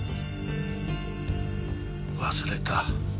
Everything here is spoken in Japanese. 忘れた。